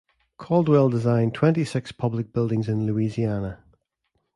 Caldwell designed twenty-six public buildings in Louisiana.